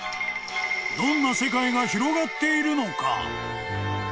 ［どんな世界が広がっているのか？］